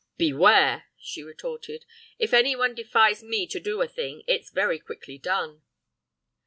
"'Beware!' she retorted. 'If any one defies me to do a thing, it's very quickly done.